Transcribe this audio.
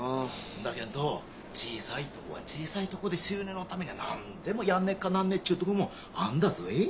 んだけんと小さいとこは小さいとこで収入のためには何でもやんねっかなんねえっちゅうとこもあんだぞい。